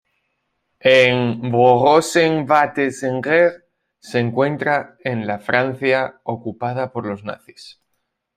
En ""Boro s’en va-t-en guerre"" se encuentra en la Francia ocupada por los nazis.